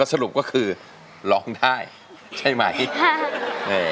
สรุปก็คือร้องได้ใช่ไหม